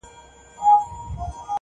که دي نه وي زده ټول عمر دي تباه دی-